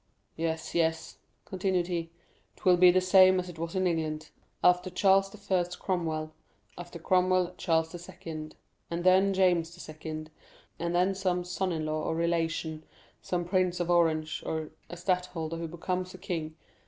"Yes, yes," continued he, "'Twill be the same as it was in England. After Charles I., Cromwell; after Cromwell, Charles II., and then James II., and then some son in law or relation, some Prince of Orange, a stadtholder who becomes a king.